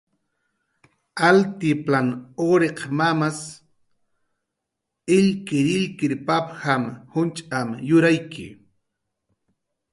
"Altiplan markaq wanwan yurayk illkirillkir papap""a, junch'psa"